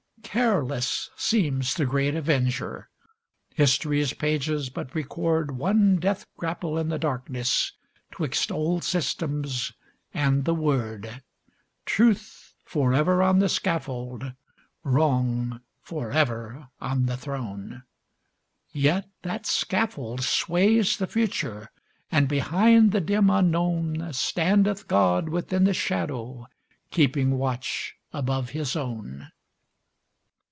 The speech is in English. Careless seems the great Avenger; history's pages but record One death grapple in the darkness 'twixt old systems and the Word; Truth forever on the scaffold, Wrong forever on the throne,— Yet that scaffold sways the future, and, behind the dim unknown, Standeth God within the shadow, keeping watch above his own.